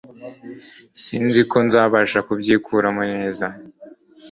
sinziko nzabasha kubyikuramo neza.